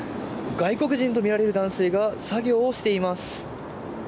外国人とみられる男性が作業をしています。